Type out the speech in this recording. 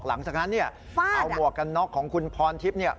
หลังจากนั้นเนี่ยเอาหมวกกันน็อกของคุณพรทิพย์เนี่ย